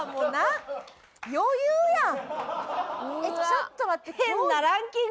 ちょっと待って。